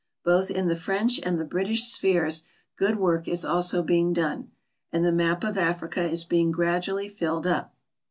Both in the French and the British spheres good work is also being done, and the map of Africa is being gradually filled up.